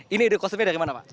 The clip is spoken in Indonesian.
ini kostumnya dari mana pak